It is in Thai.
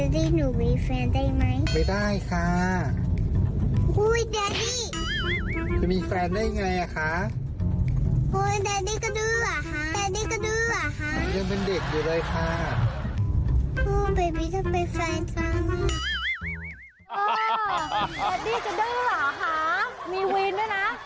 ดี้จะดื้อเหรอคะมีวีนด้วยนะ